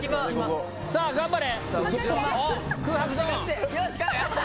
さぁ頑張れ！